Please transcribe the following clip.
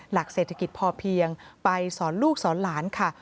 หลักเศรษฐกิจพอเพียงไปสอนลูกสอนหลานค่ะ